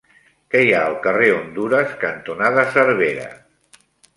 Què hi ha al carrer Hondures cantonada Cervera?